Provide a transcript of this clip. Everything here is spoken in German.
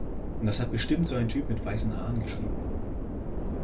Das hat bestimmt so ein Typ mit weißen Haaren geschrieben.